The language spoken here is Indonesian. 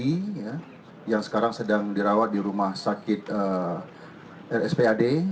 bayi yang sekarang sedang dirawat di rumah sakit rspad